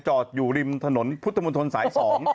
จอดอยู่ริมถนนพุทธมนตรสาย๒